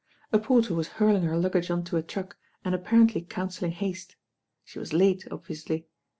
A porter was hurling her luggage on to a truck and apparently counselling haste. She was late, obviously.